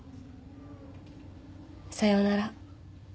さようなら